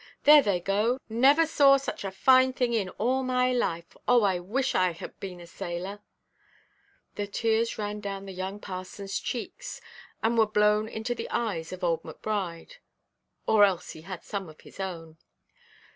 There they go; never saw such a fine thing in all my life. Oh, I wish I had been a sailor!" The tears ran down the young parsonʼs cheeks, and were blown into the eyes of old Macbride; or else he had some of his own.